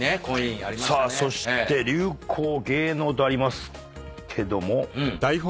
さあそして流行芸能とありますけども。